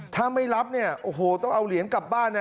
ถ้าไม่รับต้องเอาเหรียญกลับบ้าน